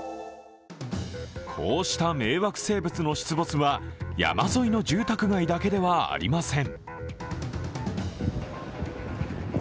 こうした迷惑生物の出没は山沿いの住宅街だけではありません。